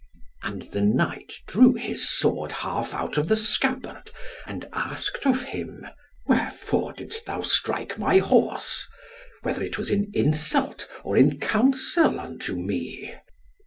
And the knight drew his sword half out of the scabbard, and asked of him, "Wherefore didst thou strike my horse? Whether was it in insult or in counsel unto me?"